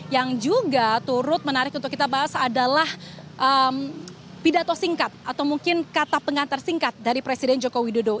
yang juga turut menarik untuk kita bahas adalah pidato singkat atau mungkin kata pengantar singkat dari presiden joko widodo